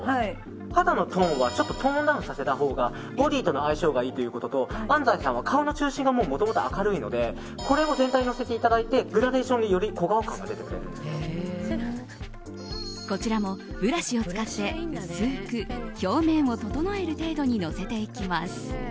肌のトーンはちょっとトーンダウンさせたほうがボディーとの相性がいいということと安西さんは顔の中心がもともと明るいのでこれを全体にのせていただいてグラデーションでこちらもブラシを使って薄く表面を整える程度にのせていきます。